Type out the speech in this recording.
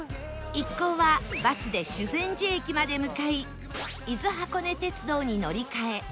一行はバスで修善寺駅まで向かい伊豆箱根鉄道に乗り換え